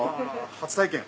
初体験。